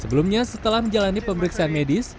sebelumnya setelah menjalani pemeriksaan medis